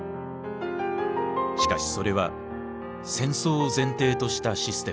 しかしそれは戦争を前提としたシステムだった。